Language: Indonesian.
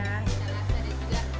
kita rasa dia juga